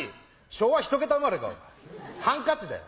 昭和ひと桁生まれかハンカチだよ。